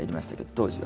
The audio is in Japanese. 当時は。